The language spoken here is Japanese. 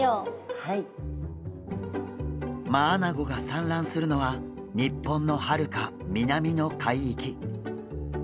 マアナゴが産卵するのは日本のはるか南の海域。